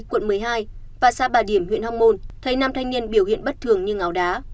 quận một mươi hai và xã bà điểm huyện hóc môn thấy năm thanh niên biểu hiện bất thường như ngáo đá